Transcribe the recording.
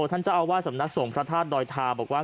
ท่านเจ้าว่ายสำนักส่งพระทาสตร์ดอยทาบอกว่า